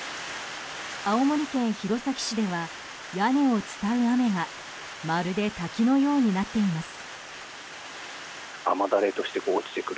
青森県弘前市では屋根を伝う雨がまるで滝のようになっています。